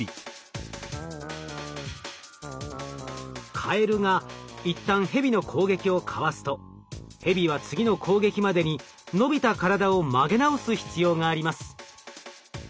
カエルが一旦ヘビの攻撃をかわすとヘビは次の攻撃までに伸びた体を曲げ直す必要があります。